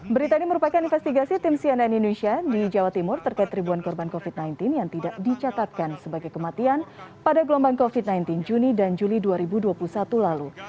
berita ini merupakan investigasi tim cnn indonesia di jawa timur terkait ribuan korban covid sembilan belas yang tidak dicatatkan sebagai kematian pada gelombang covid sembilan belas juni dan juli dua ribu dua puluh satu lalu